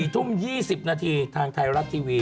๔ทุ่ม๒๐นาทีทางไทยรัฐทีวี